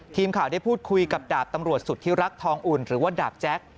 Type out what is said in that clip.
ทีมข่าวได้พูดคุยกับดาบตำรวจสุธิรักทองอุ่นหรือว่าดาบแจ๊ค